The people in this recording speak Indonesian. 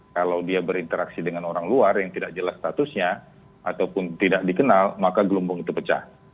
kalau dia berinteraksi dengan orang luar yang tidak jelas statusnya ataupun tidak dikenal maka gelombong itu pecah